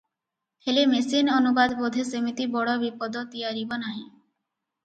ହେଲେ ମେସିନ-ଅନୁବାଦ ବୋଧେ ସେମିତି ବଡ଼ ବିପଦ ତିଆରିବ ନାହିଁ ।